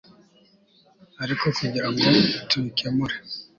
ariko kugira ngo tubikemure